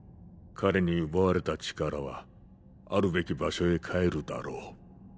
彼に奪われた力は在るべき場所へ帰るだろう。